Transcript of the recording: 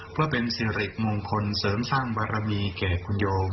เพื่อเป็นสิริมงคลเสริมสร้างบารมีแก่คุณโยม